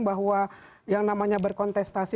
bahwa yang namanya berkontestasi